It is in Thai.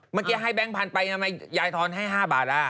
เมื่อกี้ให้แบงค์พันธุไปทำไมยายทอนให้๕บาทล่ะ